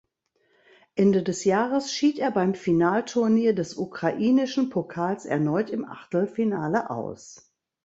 Ende des Jahres schied er beim Finalturnier des ukrainischen Pokals erneut im Achtelfinale aus.